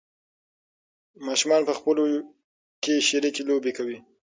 ماشومان په خپلو کې شریکې لوبې کوي.